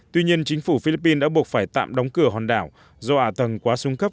tuy nhiên chính phủ philippines đã buộc phải tạm đóng cửa hòn đảo do ả tầng quá sung cấp